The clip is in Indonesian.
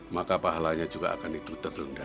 maka pahalanya juga akan itu terlunda